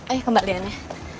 eh mbak lian ya